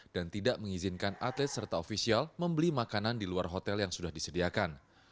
dan tidak mengizinkan atlet serta ofisial membeli makanan di luar hotel yang sudah disediakan